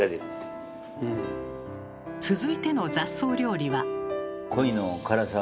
続いての雑草料理は。